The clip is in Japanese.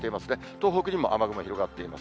東北にも雨雲、広がっています。